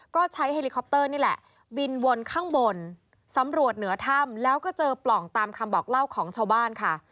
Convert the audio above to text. ก็ใช้เฮลิคอปเตอร์นี่แหละบินวนข้างบนสำรวจเหนือถ้ำแล้วก็เจอปล่องตามคำบอกเล่าของชาวบ้านค่ะ